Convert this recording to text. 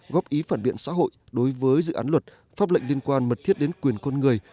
góp ý phản biện xã hội đối với dự án luật pháp lệnh liên quan mật thiết đến quyền con người